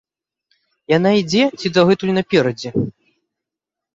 Яна ідзе ці дагэтуль наперадзе?